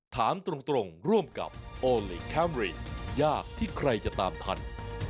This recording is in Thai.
ถามตรงร่วมกับโอลี่คัมรี่ยากที่ใครจะตามทัน